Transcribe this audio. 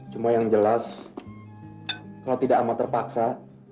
cuma yang jelas kalau tidak amat terpaksa